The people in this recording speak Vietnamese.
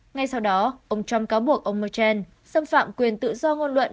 ngay sau đó ông trump cáo buộc ông merchel xâm phạm quyền tự do ngôn luận